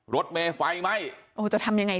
รถเมล์ไฟไหม